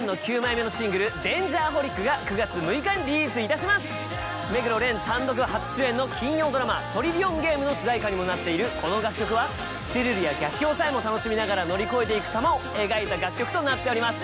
新しくなった目黒蓮単独初主演の金曜ドラマ『トリリオンゲーム』の主題歌にもなっているこの楽曲はスリルや逆境さえも楽しみながら乗り越えていく様を描いた楽曲となっております。